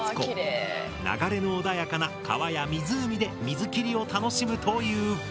流れのおだやかな川や湖で水切りを楽しむという。